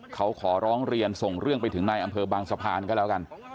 เขาขอร้องเรียนส่งเรื่องไปถึงในอำเภอบางสะพานก็แล้วกัน